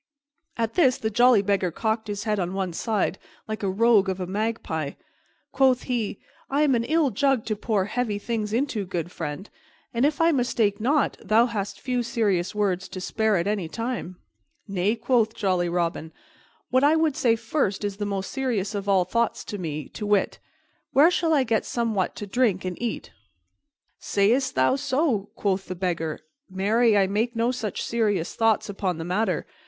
At this the jolly Beggar cocked his head on one side, like a rogue of a magpie. Quoth he, "I am an ill jug to pour heavy things into, good friend, and, if I mistake not, thou hast few serious words to spare at any time." "Nay," quoth jolly Robin, "what I would say first is the most serious of all thoughts to me, to wit, 'Where shall I get somewhat to eat and drink?'" "Sayst thou so?" quoth the Beggar. "Marry, I make no such serious thoughts upon the matter.